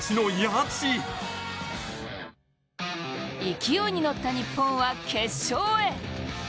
勢いに乗った日本は決勝へ。